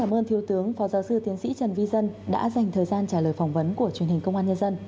cảm ơn thiếu tướng phó giáo sư tiến sĩ trần vi dân đã dành thời gian trả lời phỏng vấn của truyền hình công an nhân dân